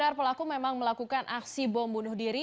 jadi benar pelaku memang melakukan aksi bom bunuh diri